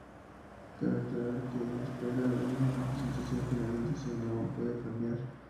Cabe aclarar que, en espera de una presentación final, el diseño aun puede cambiar.